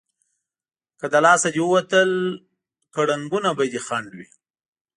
که له لاسه دې ووتل، کړنګونه به دې خنډ وي.